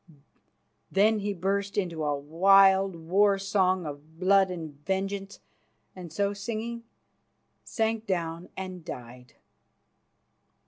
Then he burst into a wild war song of blood and vengeance, and so singing sank down and died.